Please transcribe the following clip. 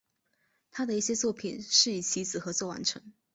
他的一些作品是与其子合作完成。